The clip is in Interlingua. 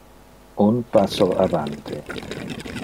Un passo avante.